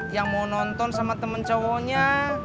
yang mau nonton sama temen cowoknya